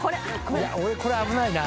俺これ危ないな。